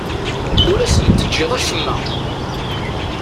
Ur asen-teǧǧiḍ acemma.